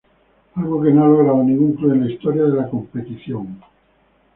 Algo que no ha logrado ningún club en la historia de la competición.